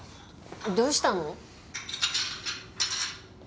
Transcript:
どうしたの？